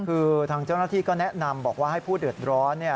คือทางเจ้าหน้าที่ก็แนะนำบอกว่าให้ผู้เดือดร้อน